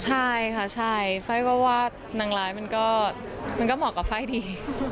ใช่ค่ะใช่ไฟล์ก็ว่านางร้ายมันก็เหมาะกับไฟล์ดี